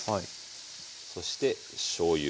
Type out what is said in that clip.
そしてしょうゆ。